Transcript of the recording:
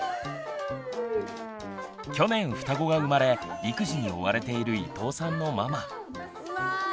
去年双子が生まれ育児に追われている伊藤さんのママ。